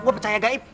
gue percaya gaib